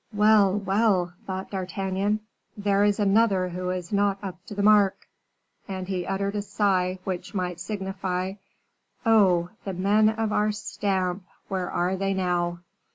"Well, well!" thought D'Artagnan, "there is another who is not up to the mark;" and he uttered a sigh which might signify, "Oh! the men of our stamp, where are they _now?